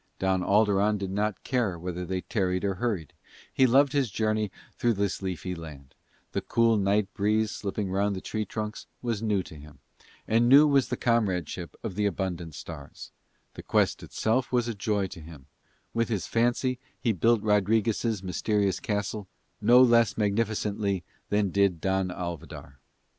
Don Alderon did not care whether they tarried or hurried; he loved his journey through this leafy land; the cool night breeze slipping round the tree trunks was new to him, and new was the comradeship of the abundant stars; the quest itself was a joy to him; with his fancy he built Rodriguez' mysterious castle no less magnificently than did Don Alvidar.